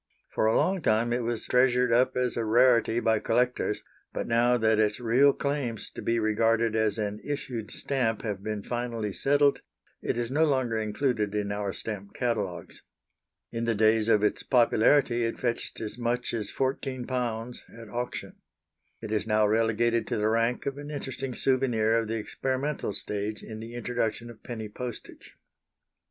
For a long time it was treasured up as a rarity by collectors, but now that its real claims to be regarded as an issued stamp have been finally settled, it is no longer included in our stamp catalogues. In the days of its popularity it fetched as much as £14 at auction. It is now relegated to the rank of an interesting souvenir of the experimental stage in the introduction of Penny Postage.